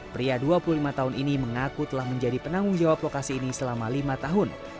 pria dua puluh lima tahun ini mengaku telah menjadi penanggung jawab lokasi ini selama lima tahun